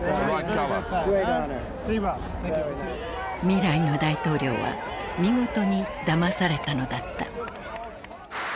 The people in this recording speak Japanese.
未来の大統領は見事にだまされたのだった。